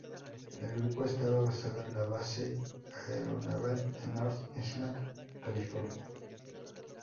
El grupo estaba basado en la Base Aeronaval de North Island, California.